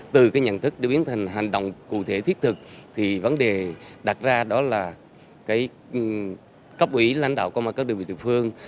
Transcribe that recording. từ cái nhận thức để biến thành hành động cụ thể thiết thực thì vấn đề đặt ra đó là cấp ủy lãnh đạo công an các đơn vị địa phương